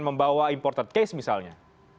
membawa imported case misalnya